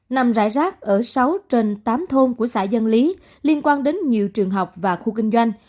nằm rải rác ở sáu trên tám thôn của xã dân lý liên quan đến nhiều trường học và khu kinh doanh